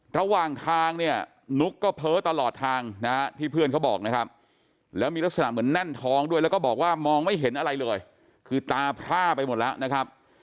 ระหว่างทางเนี่ยนุ๊กก็เพ้อตลอดทางนะฮะที่เพื่อนเขาบอกนะครับแล้วมีลักษณะเหมือนแน่นท้องด้วยแล้วก็บอกว่ามองไม่เห็นอะไรเลยคือตาพร่าไปหมดแล้วนะครับ